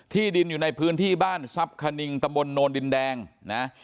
ดินอยู่ในพื้นที่บ้านทรัพย์คณิงตำบลโนนดินแดงนะ